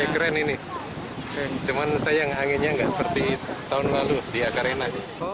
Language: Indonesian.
keren ini cuman sayang anginnya nggak seperti tahun lalu di akarena